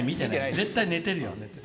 絶対寝てるよ！